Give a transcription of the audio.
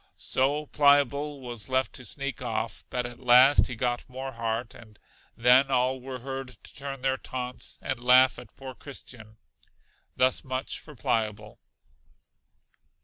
So Pliable was left to sneak off; but at last he got more heart, and then all were heard to turn their taunts, and laugh at poor Christian. Thus much for Pliable.